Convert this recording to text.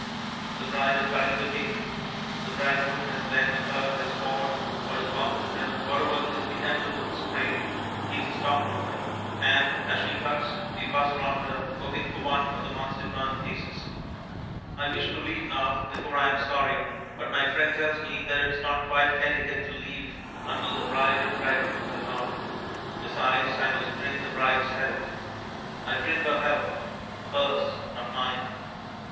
The bride is cutting the cake. The bridegroom has lent her his sword, or his fountain pen, whatever is the emblem of his trade he is a stockbroker and as she cuts, we buzz round her, hoping for one of the marzipan pieces. I wish to leave now, before I am sorry, but my friend tells me that it is not etiquette to leave until the bride and bridegroom have gone. Besides, I must drink the bride's health. I drink her health; hers, not mine.